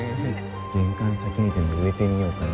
玄関先にでも植えてみようかな。